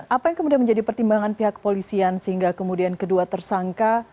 apa yang kemudian menjadi pertimbangan pihak polisian sehingga kemudian kedua tersangka